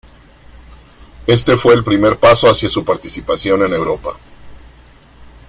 Este fue el primer paso hacia su participación en Europa.